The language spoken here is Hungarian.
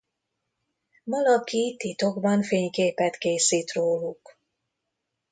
Valaki titokban fényképet készít róluk.